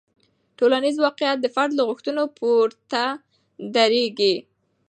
ټولنیز واقیعت د فرد له غوښتنو پورته دریږي.